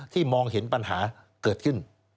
มองเห็นปัญหาเกิดขึ้น